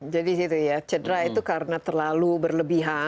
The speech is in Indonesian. jadi cedera itu karena terlalu berlebihan